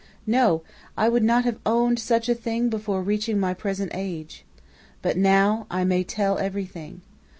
"No! I would not have owned such a thing before reaching my present age. But now I may tell everything.